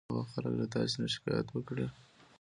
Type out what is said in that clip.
که شاوخوا خلک له تاسې نه شکایت وکړي.